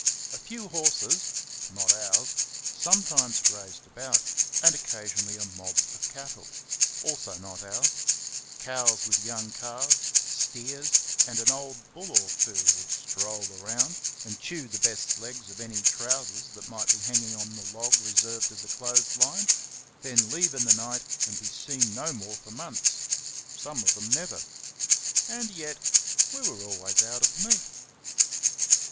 A few horses not ours sometimes grazed about; and occasionally a mob of cattle also not ours cows with young calves, steers, and an old bull or two, would stroll around, chew the best legs of any trousers that might be hanging on the log reserved as a clothes line, then leave in the night and be seen no more for months some of them never. And yet we were always out of meat!